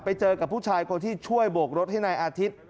ไปเจอกับผู้ชายคนที่ช่วยโบกรถให้นายอาทิตย์